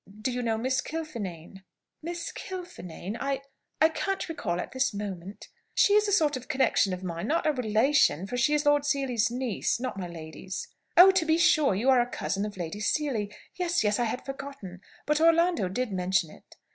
"Do you know Miss Kilfinane?" "Miss Kilfinane? I I can't recall at this moment " "She is a sort of connection of mine; not a relation, for she is Lord Seely's niece, not my lady's." "Oh, to be sure! You are a cousin of Lady Seely. Yes, yes; I had forgotten. But Orlando did mention it."